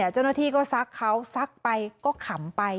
เจ้าหน้าที่ก็ซักเขาซักไปก็ขำไป